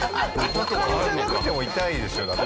股間じゃなくても痛いでしょだって。